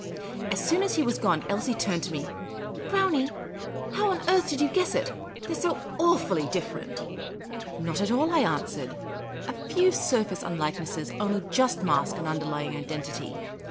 As soon as he was gone, Elsie turned to me. " Brownie, how on earth did 3'ou guess it? They 're so awfully different!" " Not at all," I an.swered. " A few surface unlikenesses only just mask an underlying identity.